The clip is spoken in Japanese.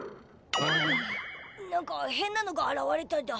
何かへんなのがあらわれただ。